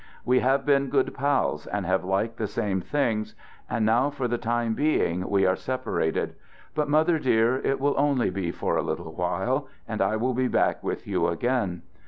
We have been good pals, and have liked the same things, and now for the time being we are separated, but, mother dear, it will only be for a little while and I will be back with you again.